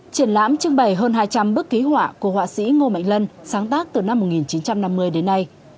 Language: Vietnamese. triển lãm trưng bày hơn hai trăm linh bức ký họa của họa sĩ ngô mạnh lân sáng tác từ năm một nghìn chín trăm năm mươi đến nay